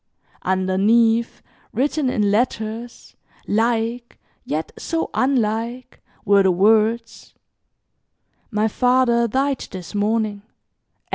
Underneath, written in letters, like, yet so unlike, were the words, "My father died this morning.